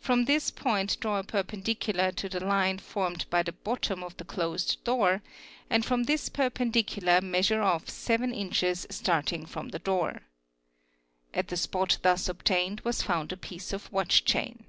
From th point draw a perpendicular to the line formed by the bottom of the close DESCRIPTION OF THE SCENE OF OFFENCE 135 door and from this perpendicular measure off 7 inches starting from 'the door. At the spot thus obtained was found a piece of watch chain."